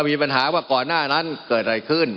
มันมีมาต่อเนื่องมีเหตุการณ์ที่ไม่เคยเกิดขึ้น